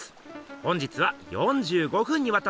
本日は４５分にわたってね